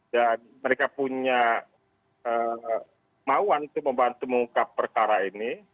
dan mereka punya mauan untuk membantu mengungkap perkara ini